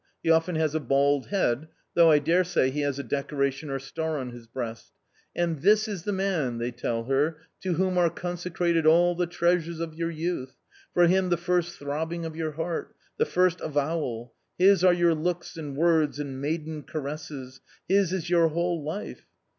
He often has a bald head, though I daresay he has a decoration or star on his breast. And ' this is the man ' they tell her to whom are conse crated all the treasures of your youth, for him the first throbbing of your heart, the first avowal, his are your looks and words and maiden caresses, his is your whole life.